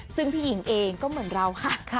ซึ่งพี่หญิงเองก็เหมือนเราค่ะ